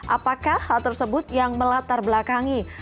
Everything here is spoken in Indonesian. apakah hal tersebut yang melatar belakangi